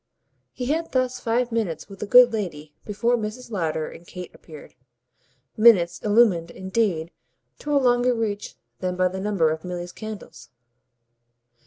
He had thus five minutes with the good lady before Mrs. Lowder and Kate appeared minutes illumined indeed to a longer reach than by the number of Milly's candles.